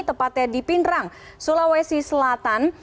tepatnya di pindrang sulawesi selatan